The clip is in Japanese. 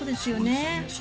そうですよね。